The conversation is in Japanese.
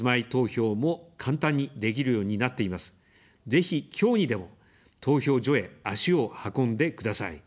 ぜひ、きょうにでも投票所へ足を運んでください。